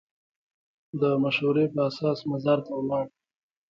د مشورې په اساس مزار ته ولاړ.